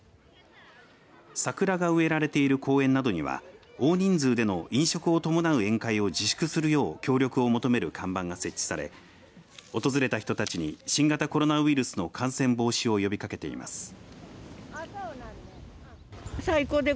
桜が植えられている公園などには大人数での飲食を伴う宴会を自粛するよう協力を求める看板が設置され訪れた人たちに新型コロナウイルスの感染防止を呼びかけています。